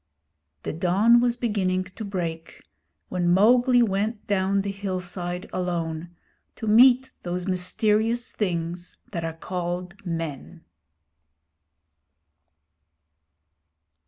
The dawn was beginning to break when Mowgli went down the hillside alone, to meet those mysterious things that are called men.